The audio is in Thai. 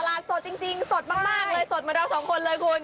สดจริงสดมากเลยสดเหมือนเราสองคนเลยคุณ